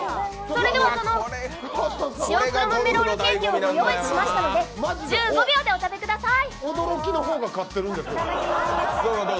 それではぞの、塩黒豆ロールケーキをご用意しましたので１５秒でお食べください。